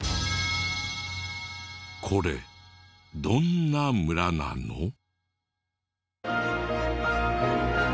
これどんな村なの？